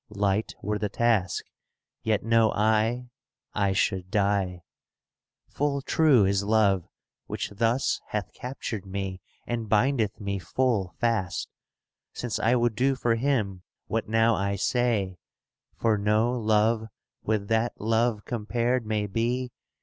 Light were the task, yet know I, I should die. Full true is Love which thus hath captured me And bindeth me full fast. Since I would do for him what now I say; ^ For no love with that love compared may be.